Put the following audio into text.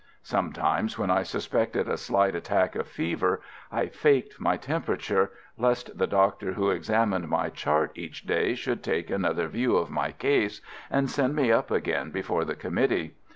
Sometimes, when I suspected a slight attack of fever, I "faked" my temperature, lest the doctor who examined my "chart" each day should take another view of my case, and send me up again before the Committee.